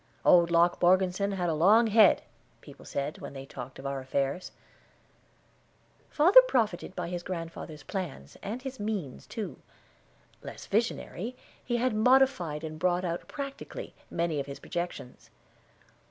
"Old Locke Morgeson had a long head," people said, when they talked of our affairs. Father profited by his grandfather's plans, and his means, too; less visionary, he had modified and brought out practically many of his projections.